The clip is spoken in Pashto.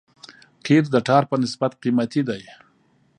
قیر د ټار په نسبت قیمتي دی